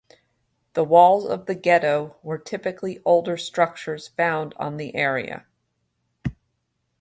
The walls of the ghetto were typically older structures found on the area.